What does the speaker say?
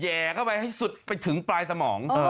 แห่เข้าไปให้สุดไปถึงปลายสมอง